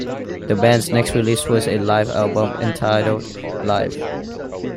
The band's next release was a live album entitled Live!